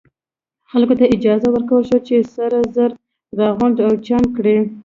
خلکو ته اجازه ورکړل شوه چې سره زر راغونډ او چاڼ کړي.